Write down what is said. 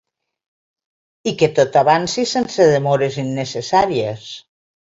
I que tot avanci sense demores innecessàries.